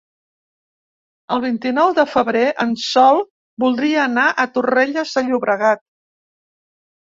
El vint-i-nou de febrer en Sol voldria anar a Torrelles de Llobregat.